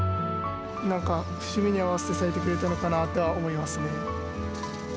なんか、節目に合わせて咲いてくれたのかなとは思いますね。